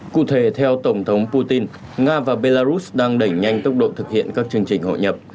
cụ thể theo tổng thống putin nga và belarus đang đẩy nhanh tốc độ thực hiện các chương trình hội nhập